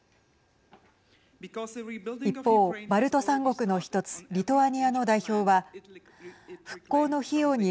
一方、バルト３国の１つリトアニアの代表は復興の費用に